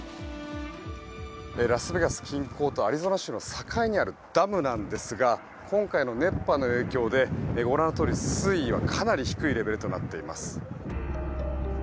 ラスベガス近郊とアリゾナ州の境にあるダムなんですが今回の熱波の影響でご覧のとおり、水位はかなり低いレベルとなっています。